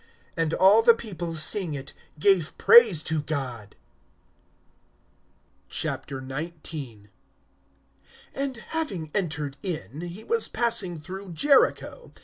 And all the people, seeing it, gave praise to God. XIX. AND having entered in, he was passing through Jericho.